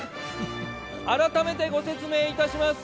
改めてご説明いたします。